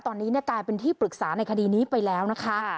ตอนนี้กลายเป็นที่ปรึกษาในคดีนี้ไปแล้วนะคะ